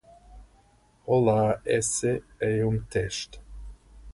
Olá, esse é um teste